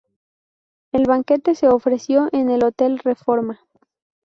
El banquete se ofreció en el Hotel Reforma.